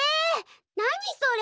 何それ！？